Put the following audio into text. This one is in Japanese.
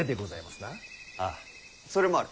ああそれもある。